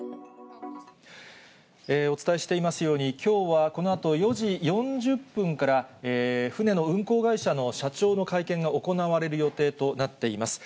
お伝えしていますように、きょうはこのあと、４時４０分から船の運航会社の社長の会見が行われる予定となっています。